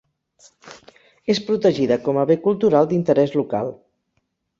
És protegida com a Bé cultural d'interès local.